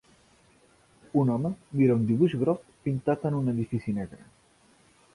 Un home mira un dibuix groc pintat en un edifici negre.